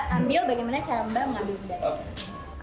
coba mbak ambil bagaimana cara mbak mengambil benda jatuh